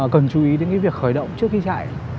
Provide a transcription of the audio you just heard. cần chú ý đến cái việc khởi động trước khi chạy